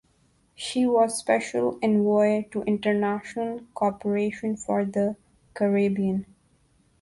She was Special Envoy to International Cooperation for the Caribbean.